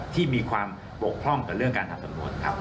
ที่มีความปกคร่องกับเรื่องการทำตำรวจ